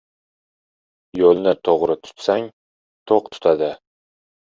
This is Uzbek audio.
— Yo‘lni to‘g‘ri tutsang, to‘q tutadi;